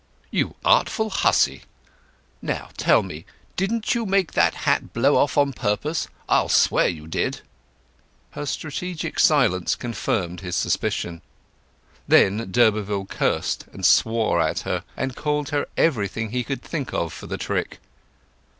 "You artful hussy! Now, tell me—didn't you make that hat blow off on purpose? I'll swear you did!" Her strategic silence confirmed his suspicion. Then d'Urberville cursed and swore at her, and called her everything he could think of for the trick.